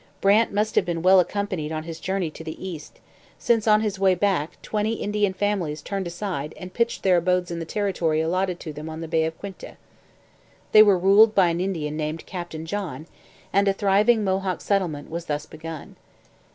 Brant must have been well accompanied on his journey to the east, since on his way back twenty Indian families turned aside and pitched their abodes in the territory allotted to them on the Bay of Quinte. They were ruled by an Indian named Captain John, and a thriving Mohawk settlement was thus begun.